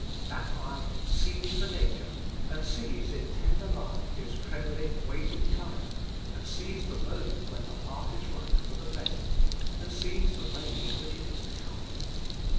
That eye sees the danger, and sees in tender love His trembling waiting child, and sees the moment when the heart is ripe for the blessing, and sees the way in which it is to come.